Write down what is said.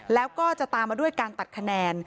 แล้วก็จะตามมาด้วยการตัดคะแนน